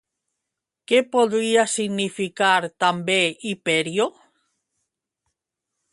Què podria significar també Hiperió?